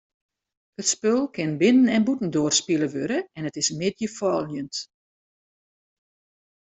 It spul kin binnen- en bûtendoar spile wurde en is middeifoljend.